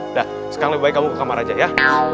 udah sekarang lebih baik kamu ke kamar aja ya